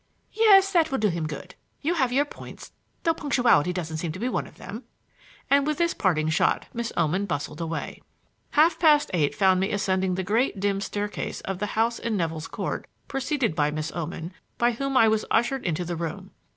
"Yes, it will do him good. You have your points, though punctuality doesn't seem to be one of them," and with this parting shot Miss Oman bustled away. Half past eight found me ascending the great, dim staircase of the house in Nevill's Court preceded by Miss Oman, by whom I was ushered into the room.